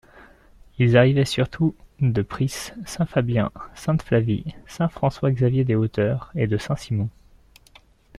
Ils arrivaient surtout de Price, Saint-Fabien, Sainte-Flavie, Saint-François-Xavier-des-Hauteurs et de Saint-Simon.